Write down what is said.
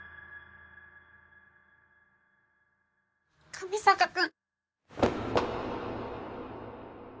上坂君！